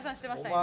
今。